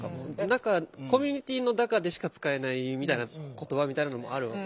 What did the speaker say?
コミュニティーの中でしか使えないみたいな言葉みたいなのもある。